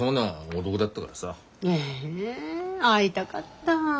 へえ会いたかった。